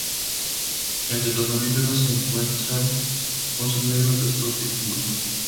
Entre los mamíferos se encuentran oso negro, castor y puma.